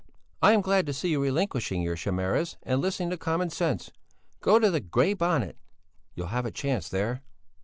"I am glad to see you relinquishing your chimeras and listening to common sense. Go to the Grey Bonnet, you'll have a chance there."